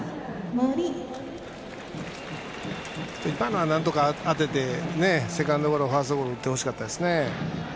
今のは、なんとか当ててセカンドゴロ、ファーストゴロ打ってほしかったですね。